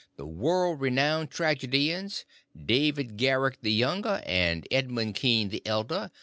The World Renowned Tragedians DAVID GARRICK THE YOUNGER! AND EDMUND KEAN THE ELDER!